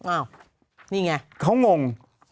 อ้าวนี่ไง